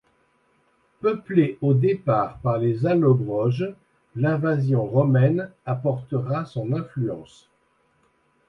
Peuplée au départ par les Allobroges, l'invasion romaine apportera son influence.